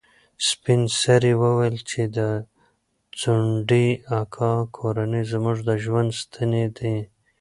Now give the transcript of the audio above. سپین سرې وویل چې د ځونډي اکا کورنۍ زموږ د ژوند ستنې دي.